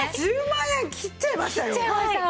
１０万円きっちゃいましたよ！